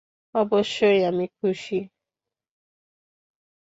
অবশ্যই আমি খুশি!